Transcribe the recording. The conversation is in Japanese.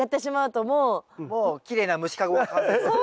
もうきれいな虫かごが完成する。